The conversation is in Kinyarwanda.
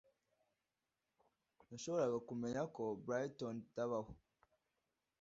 nashoboraga kumenya ko brighton itabaho